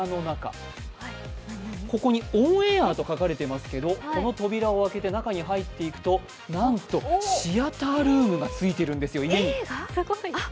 ここに「ＯＮＡＩＲ」と書かれていますけれども、この扉を開けて中に入っていくとなんとシアタールームが家についているんですよ。